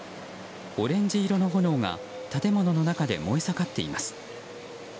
オレンジ色の炎が建物の中で燃え盛っています。